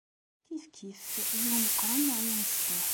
Kifkif, i umeqqran neɣ i umecṭuḥ.